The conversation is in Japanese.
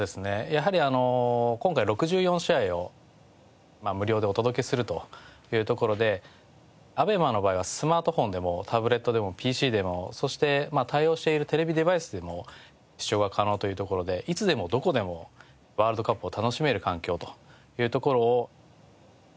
やはり今回６４試合を無料でお届けするというところでＡＢＥＭＡの場合はスマートフォンでもタブレットでもＰＣでもそして対応しているテレビデバイスでも視聴が可能というところでいつでもどこでもワールドカップを楽しめる環境というところを考えておりますので。